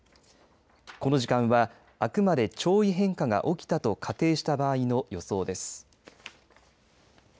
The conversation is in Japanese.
この時間はあくまで潮位変化が起きたと仮定した場合の予想です。